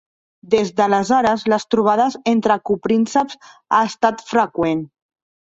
Des d'aleshores les trobades entre coprínceps ha estat freqüent.